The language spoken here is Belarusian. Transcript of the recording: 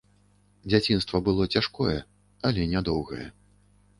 Дзяцінства было цяжкое, але нядоўгае.